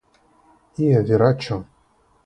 la viraĉo!